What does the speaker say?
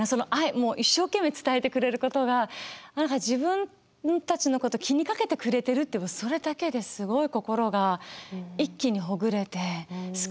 もう一生懸命伝えてくれることが何か自分たちのこと気にかけてくれてるってそれだけですごい心が一気にほぐれて救われました。